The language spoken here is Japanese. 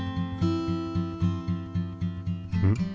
うん？